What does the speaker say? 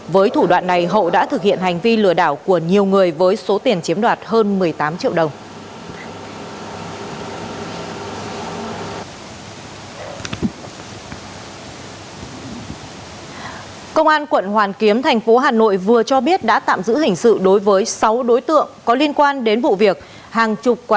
với thủ đoạn này hậu đã thực hiện hành vi lừa đảo của nhiều người với số tiền chiếm đoạt hơn một mươi tám triệu đồng